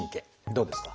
どうですか？